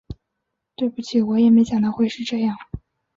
对不起，我也没想到会是这样